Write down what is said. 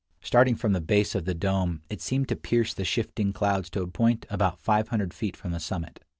Starting from the base of the dome, it seemed to pierce the shifting clouds to a point about 500 feet from the summit.